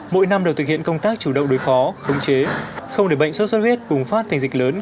mỗi năm được thực hiện công tác chủ động đối phó khống chế không để bệnh sốt xuất huyết bùng phát thành dịch lớn